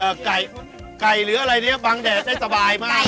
ไก่ไก่หรืออะไรเนี้ยบังแดดได้สบายมาก